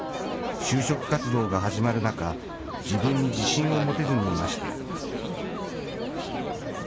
就職活動が始まる中、自分に自信を持てずにいました。